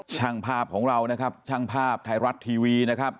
ช่างภาพของเรานะครับช่างภาพไทยรัฐทีวีนะครับ